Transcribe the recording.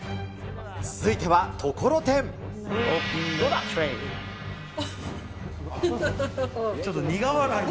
続いてはところてん。